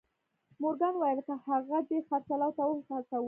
مورګان وویل که هغه دې خرڅلاو ته وهڅاوه